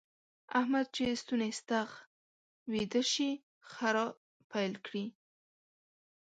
احمد چې ستونی ستخ ويده شي؛ خرا پيل کړي.